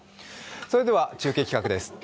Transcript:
それでは中継企画です。